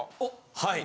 はい。